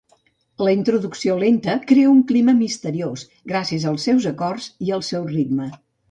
La introducció lenta crea un clima misteriós, gràcies als seus acords i el seu ritme.